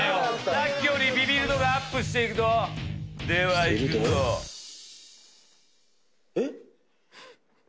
さっきよりビビり度がアップしていくぞではいくぞえっ？